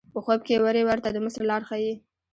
په خوب کې وری ورته د مصر لار ښیي.